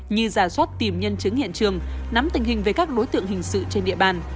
như giả soát tìm nhân chứng hiện trường nắm tình hình về các đối tượng hình sự trên địa bàn